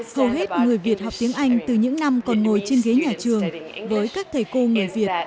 hầu hết người việt học tiếng anh từ những năm còn ngồi trên ghế nhà trường với các thầy cô người việt